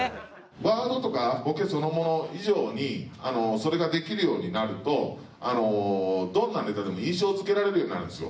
ワードとかボケそのもの以上にそれができるようになるとどんなネタでも印象付けられるようになるんですよ。